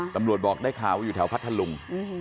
ตำรวจบอกได้ข่าวว่าอยู่แถวพัทลุง